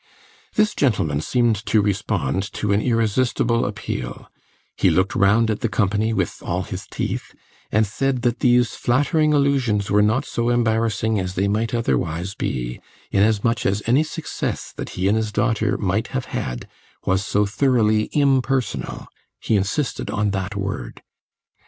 This gentleman seemed to respond to an irresistible appeal; he looked round at the company with all his teeth, and said that these flattering allusions were not so embarrassing as they might otherwise be, inasmuch as any success that he and his daughter might have had was so thoroughly impersonal: he insisted on that word.